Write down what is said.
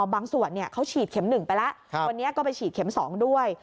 บางส่วนเนี่ยเขาฉีดเข็มหนึ่งไปแล้ววันนี้ก็ไปฉีดเข็มสองด้วย